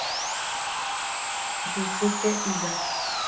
Yusuke Higa